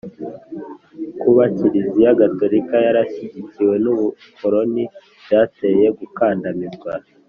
Kuba Kiliziya gatolika yarashyigikiwe n'ubukoloni byateye gukandamizwa